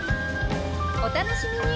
お楽しみに！